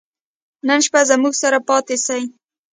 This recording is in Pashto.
نن شپه زموږ سره پاته سئ.